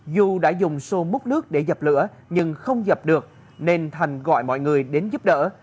dù đã dùng xô múc nước để dập lửa nhưng không dập được nên thành gọi mọi người đến giúp đỡ